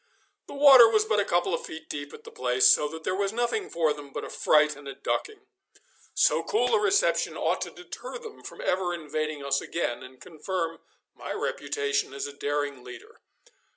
The water was but a couple of feet deep at the place, so that there was nothing for them but a fright and a ducking. So cool a reception ought to deter them from ever invading us again, and confirm my reputation as a daring leader.